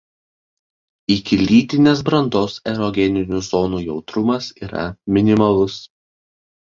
Iki lytinės brandos erogeninių zonų jautrumas yra minimalus.